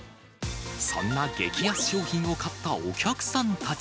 そんな激安商品を買ったお客さんたち。